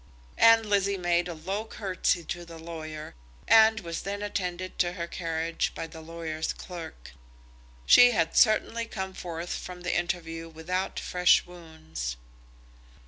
And Lizzie made a low curtsey to the lawyer, and was then attended to her carriage by the lawyer's clerk. She had certainly come forth from the interview without fresh wounds.